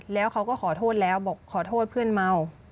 แล้วเขาก็ขอโทษแล้วบอกขอโทษเพื่อนเมา